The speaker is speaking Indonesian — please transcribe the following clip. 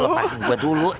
lu lepasin gua dulu